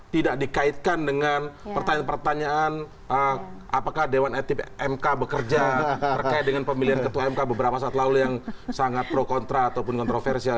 tidak dikaitkan dengan pertanyaan pertanyaan apakah dewan etik mk bekerja berkait dengan pemilihan ketua mk beberapa saat lalu yang sangat pro kontra ataupun kontroversial